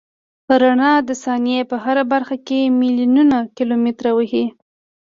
رڼا د ثانیې په هره برخه کې میلیونونه کیلومتره وهي.